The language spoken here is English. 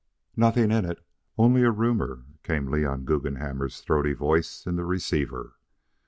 "Nothing in it only a rumor," came Leon Guggenhammer's throaty voice in the receiver.